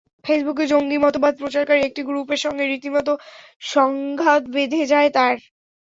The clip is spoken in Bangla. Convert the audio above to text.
ফেসবুকে জঙ্গি মতবাদ প্রচারকারী একটি গ্রুপের সঙ্গে রীতিমতো সংঘাত বেঁধে যায় তাঁর।